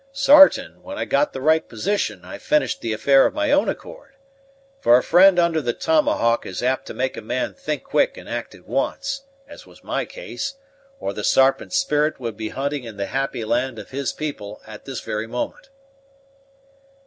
Sartain, when I got the right position, I finished the affair of my own accord. For a friend under the tomahawk is apt to make a man think quick and act at once, as was my case, or the Sarpent's spirit would be hunting in the happy land of his people at this very moment."